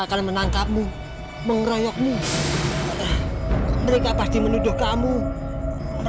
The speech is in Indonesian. sampai jumpa di video selanjutnya